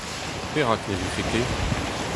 Perak ne vefe ket ?